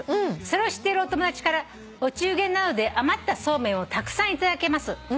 「それを知っているお友達からお中元などで余ったそうめんをたくさん頂けます」